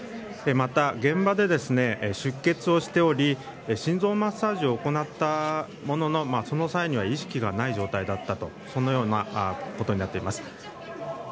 また、現場で出血をしており心臓マッサージを行ったもののその際には意識がない状態だったとそのようなことになっています。